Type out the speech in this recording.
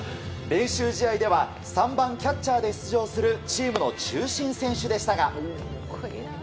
練習試合では３番キャッチャーで出場するチームの中心選手でしたが。